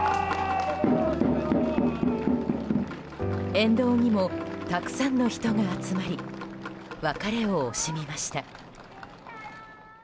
沿道にもたくさんの人が集まり別れを惜しみました。